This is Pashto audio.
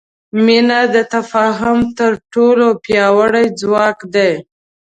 مینه د تفاهم تر ټولو پیاوړی ځواک دی.